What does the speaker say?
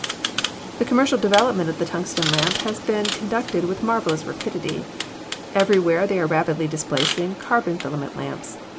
The commercial development of the tungsten lamp has been conducted with marvelous rapidity. Everywhere they are rapidly displacing the carbon filament lamps.